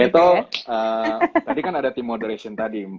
atau tadi kan ada team moderation tadi